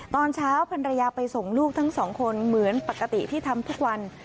ตอนเช้าพันรยาไปส่งลูกทั้งสองคนเหมือนปกติที่ทำทุกวัน